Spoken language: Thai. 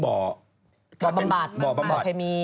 บ่อบำบัดบ่อแพมี